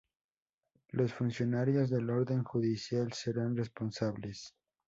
Los funcionarios del orden judicial serán responsables.